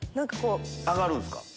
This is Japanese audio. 上がるんすか？